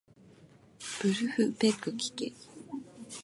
ブルフペックきけ